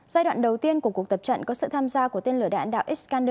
giai đoạn đầu tiên của cuộc tập trận có sự tham gia của tên lửa đạn